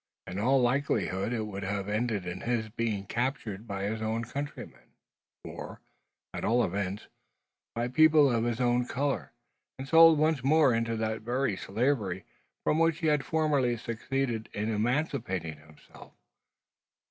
In all likelihood it would have ended in his being captured by his own countrymen, or, at all events, by people of his own colour, and sold once more into that very slavery from which he had formerly succeeded in emancipating himself.